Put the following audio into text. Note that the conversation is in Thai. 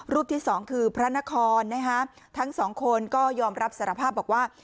ที่สองคือพระนครนะฮะทั้งสองคนก็ยอมรับสารภาพบอกว่า